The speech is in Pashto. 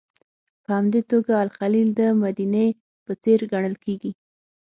په همدې توګه الخلیل د مدینې په څېر ګڼل کېږي.